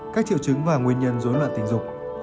các triệu chứng và nguyên nhân dối loạn tình dục